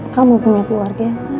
kamu tidak bisa